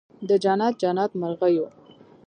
د جنت، جنت مرغېو